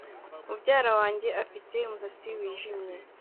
Mubyara wanjye afite umusatsi wijimye